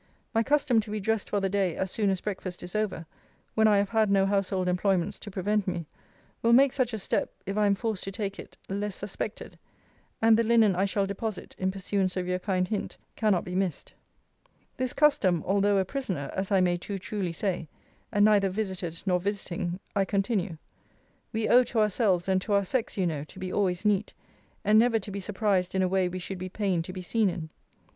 My custom to be dressed for the day, as soon as breakfast is over, when I have had no household employments to prevent me, will make such a step (if I am forced to take it) less suspected. And the linen I shall deposit, in pursuance of your kind hint, cannot be missed. This custom, although a prisoner, (as I may too truly say,) and neither visited nor visiting, I continue. We owe to ourselves, and to our sex, you know, to be always neat; and never to be surprised in a way we should be pained to be seen in.